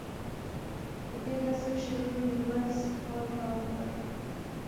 په دې ورځ کشر ورور میرویس حال راوکړ.